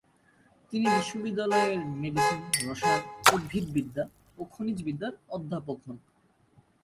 তিনি বিশ্ববিদ্যালয়ের মেডিসিন, রসায়ন, উদ্ভিদবিদ্যা ও খনিজবিদ্যার অধ্যাপক হন।